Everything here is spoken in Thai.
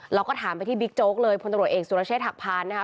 เราก็ถามไปที่บิ๊กโจ๊กเลยพลตำรวจเอกสุรเชษฐหักพานนะคะ